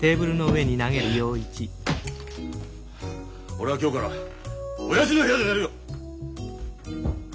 俺は今日からおやじの部屋で寝るよ！